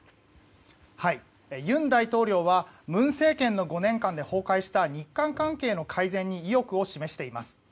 尹大統領は文政権の５年間で崩壊した日韓関係の改善に意欲を示しています。